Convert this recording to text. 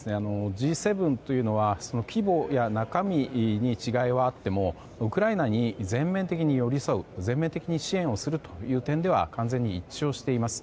Ｇ７というのは規模や中身に違いはあってもウクライナに全面的に寄り添う全面的に支援する点では完全に一致しています。